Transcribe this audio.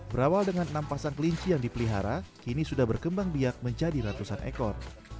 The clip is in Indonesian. berawal dengan enam pasang kelinci yang dipelihara kini sudah berkembang biak menjadi ratusan ekor